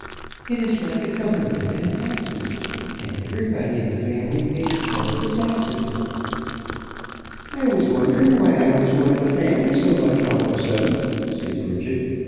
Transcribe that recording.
It is like a government and taxes, and everybody in the family pays part of the taxes " "I was wonderin' why I was one of the family so much, all of a suddent," said Bridget.